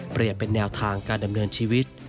เปลี่ยนเป็นแนวทางการดำเนินชีวิต